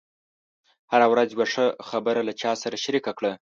هره ورځ یوه ښه خبره له چا سره شریکه کړه.